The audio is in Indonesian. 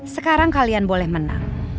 sekarang kalian boleh menang